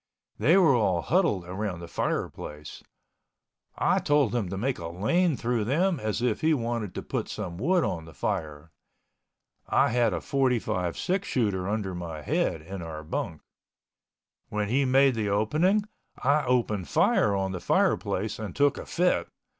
They were all huddled around the fireplace. I told him to make a lane through them as if he wanted to put some wood on the fire. I had a 45 six shooter under my head on our bunk. When he made the opening I opened fire on the fireplace and took a fit.